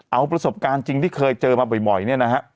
เอาประสบการณ์จริงที่เคยเจอมาบ่อยเนี่ยนะฮะ